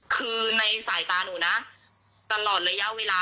คือในสายตาหนูนะ